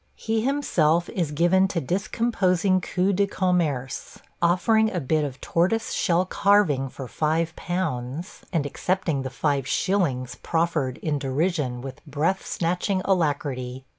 He himself is given to discomposing coups de commerce – offering a bit of tortoise shell carving for five pounds, and accepting the five shillings proffered in derision with breath snatching alacrity.